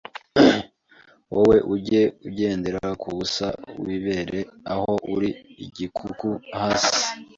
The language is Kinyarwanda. Wowe ujye ugendera ku busa wibere aho uri igikuku hasi